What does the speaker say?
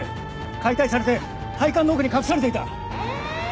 解体されて配管の奥に隠されていた。